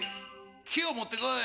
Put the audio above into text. きをもってこい！